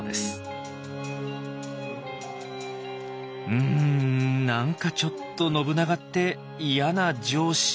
うん何かちょっと信長って嫌な上司。